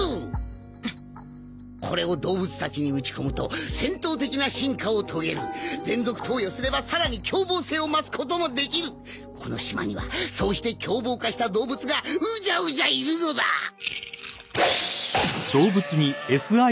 これを動物たちに撃ち込むと戦闘的な進化を遂げる連続投与すればさらに凶暴性を増すこともできるこの島にはそうして凶暴化した動物がウジャウジャいるのだグォーッ！